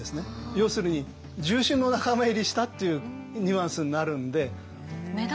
要するに重臣の仲間入りしたっていうニュアンスになるんで。